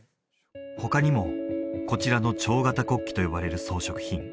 他にもこちらの蝶形骨器と呼ばれる装飾品